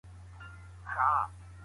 کومو ولایتونو ته ډیره پاملرنه کیږي؟